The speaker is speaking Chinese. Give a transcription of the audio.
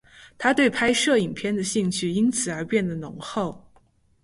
他对拍摄影片的兴趣因此而变得浓厚。